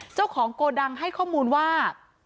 เจ้าของโกดังให้ข้อมูลว่า